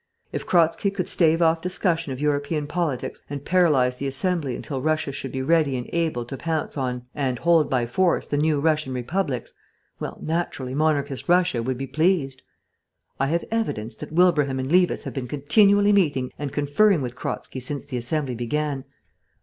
If Kratzky could stave off discussion of European politics and paralyse the Assembly until Russia should be ready and able to pounce on and hold by force the new Russian republics well, naturally monarchist Russia would be pleased. I have evidence that Wilbraham and Levis have been continually meeting and conferring with Kratzky since the Assembly began.